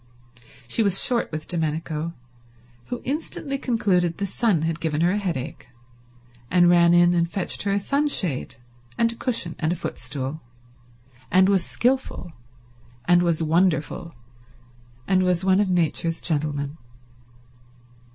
She was short with Domenico, who instantly concluded the sun had given her a headache, and ran in and fetched her a sunshade and a cushion and a footstool, and was skilful, and was wonderful, and was one of Nature's gentlemen.